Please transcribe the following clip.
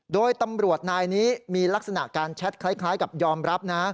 โดยตำรวจนายนี้มีลักษณะการแชทคล้ายกับยอมรับนะ